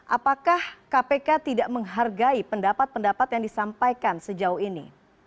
apakah kpk tidak menghargai pendapat pendapat yang disampaikan sejauh ini